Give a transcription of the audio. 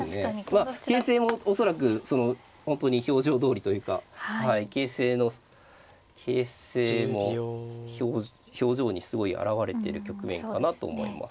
まあ形勢も恐らくその本当に表情どおりというかはい形勢の形勢も表情にすごい表れてる局面かなと思います。